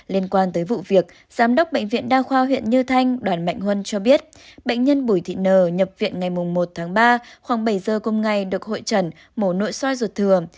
liên quan tới vụ việc giám đốc bệnh viện đa khoa huyện như thanh đoàn mạnh huân cho biết bệnh nhân bùi thị nờ nhập viện ngày một tháng ba khoảng bảy giờ cùng ngày được hội trần mổ nội soi ruột thừa